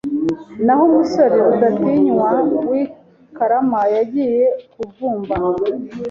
Naho umusore Rudatinya w'i Karama yagiye kuvumba